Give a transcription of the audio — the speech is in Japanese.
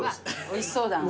おいしそうだな。